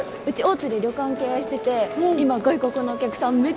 うち大津で旅館経営してて今外国のお客さん